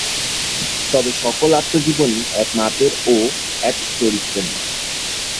তবে সকল আত্মজীবনী এক মাপের ও এক চরিত্রের নয়।